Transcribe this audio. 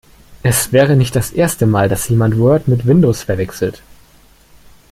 Es wäre nicht das erste Mal, dass jemand Word mit Windows verwechselt.